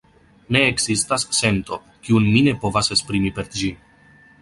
Ne ekzistas sento, kiun mi ne povas esprimi per ĝi.